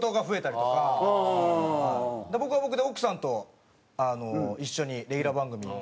僕は僕で奥さんと一緒にレギュラー番組始まって。